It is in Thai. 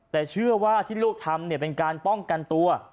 แต่เชื่อว่าที่ลูกทำเป็นการป้องกันตัว